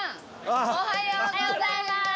おはようございます。